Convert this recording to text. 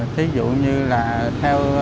thí dụ như là theo